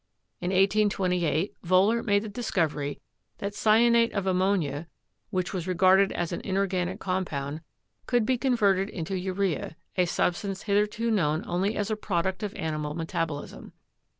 In 1828, Wohler made the discovery that cyanate of ammonia, which was regarded as an inorganic compound, could be converted into urea, a substance hith erto known only as a product of animal metabolism.